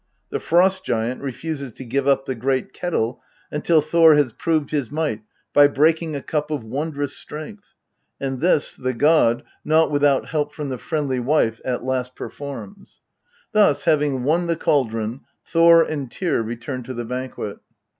The Frost giant refuses to give up the great kettle until Thor has proved his might by breaking a cup of wondrous strength, and this the god, not without help from the friendly wife, at last performs. Thus, having won the cauldron, Thor and Tyr return to the banquet.